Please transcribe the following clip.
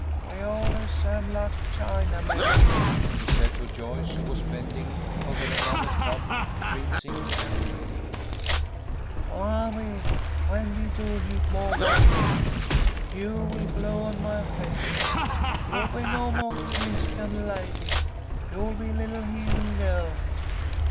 "We allee samee lak Chinamen," he said to Joyce, who was bending over another tub, rinsing and wringing. "Blimeby, when we do heap more washee, a cue will glow on my head. You'll be no mo' Clistian lady. You'll be lil'l heathen gel."